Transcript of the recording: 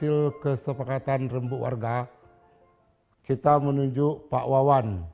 insya allah terima kasih pak dadan